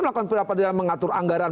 melakukan perlakuan dalam mengatur anggaran